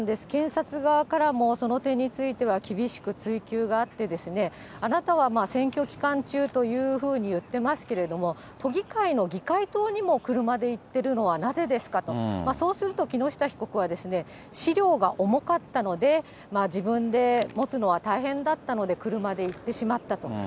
検察側からも、その点については厳しく追及があって、あなたは選挙期間中というふうに言ってますけれども、都議会の議会棟にも車で行ってるのはなぜですかと、そうすると木下被告は、資料が重かったので、自分で持つのは大変だったので、車で行ってしまったと。